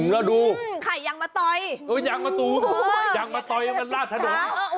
แล้วดูไข่ยังมาตอยอย่างมาตู้ยังมาตอยยังมาลาดทะโด